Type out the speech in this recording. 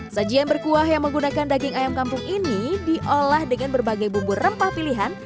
sajian berkuah yang menggunakan daging ayam kampung ini diolah dengan berbagai bumbu rempah pilihan